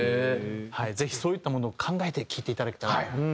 ぜひそういったものを考えて聴いていただけたらなと。